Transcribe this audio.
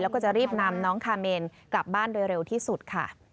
แล้วก็จะรีบนำน้องคาเมนกลับบ้านโดยเร็วที่สุดค่ะ